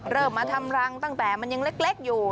เริ่มมาทำรังตั้งแต่มันยังเล็กอยู่